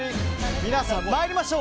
皆さん、参りましょう。